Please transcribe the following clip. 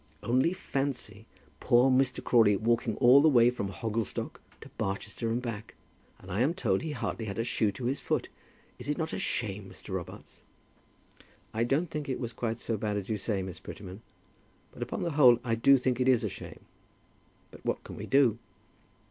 Only fancy, poor Mr. Crawley walking all the way from Hogglestock to Barchester and back; and I am told he hardly had a shoe to his foot! Is it not a shame, Mr. Robarts?" "I don't think it was quite so bad as you say, Miss Prettyman; but, upon the whole, I do think it is a shame. But what can we do?"